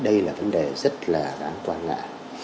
đây là vấn đề rất là đáng quan ngại